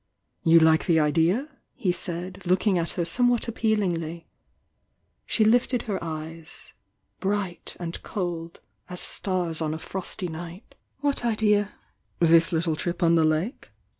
"You like the idea?" he said, looking at her some what appealingly. She lifted her eyei brS,?^Sfd cold as stars on a frosty nigl^t. W ^ ana '|What idea?" /^'This little trip on the lake?"